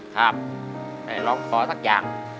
ครับได้ร้องขอสักอย่าง